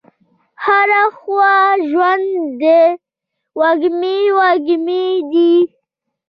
هره خوا ژوند دی وږمې، وږمې دي